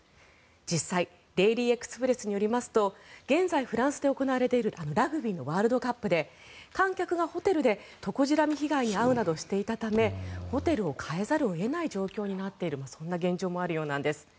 実際、デイリー・エクスプレスによりますと現在フランスで行われているラグビーのワールドカップで観客がホテルでトコジラミ被害に遭うなどしていたためホテルを変えざるを得ない状況になっているそんな現状もあるようなんです。